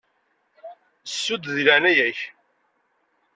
Ssu-d, deg leɛnaya-k.